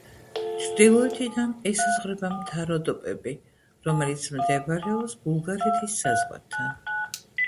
ჩრდილოეთიდან ესაზღვრება მთა როდოპები, რომელიც მდებარეობს ბულგარეთის საზღვართან.